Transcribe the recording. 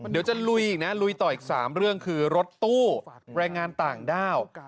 เดี๋ยวจะลุยอีกนะลุยต่ออีก๓เรื่องคือรถตู้แรงงานต่างด้าว